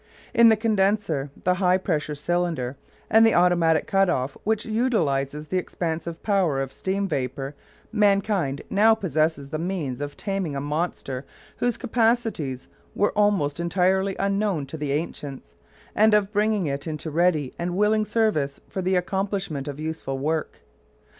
In the condenser, the high pressure cylinder and the automatic cut off, which utilises the expansive power of steam vapour, mankind now possesses the means of taming a monster whose capacities were almost entirely unknown to the ancients, and of bringing it into ready and willing service for the accomplishment of useful work.